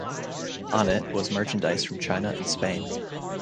On it was merchandise from China and Spain.